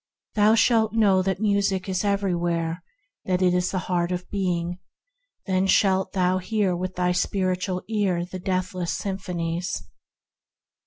Thou shalt know that Music is everywhere; that it is the Heart of Being; then shalt thou hear with thy spiritual ear the Deathless Sympathies.